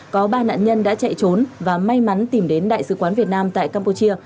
có ba nạn nhân đã chạy trốn và may mắn tìm đến đại sứ quán việt nam tại campuchia